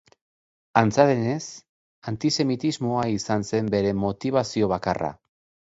Antza denez, antisemitismoa izan zen bere motibazio bakarra.